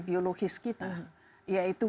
biologis kita yaitu